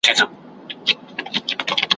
علامة سعدي رحمه الله فرمايي.